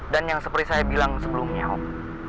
dan yang seperti saya bilang sebelumnya om